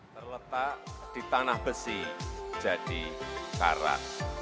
terletak di tanah besi jadi karat